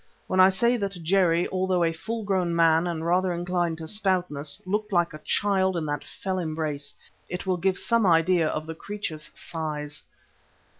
When I say that Jerry, although a full grown man and rather inclined to stoutness, looked like a child in that fell embrace, it will give some idea of the creature's size.